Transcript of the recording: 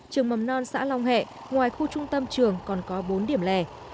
trường mầm non xã long hẹ ngoài khu trung tâm trường còn có bốn điểm lẻ